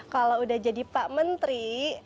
kalau udah jadi pak menteri